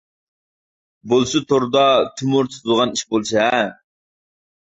بولسا توردا تومۇر تۇتىدىغان ئىش بولسا ھە!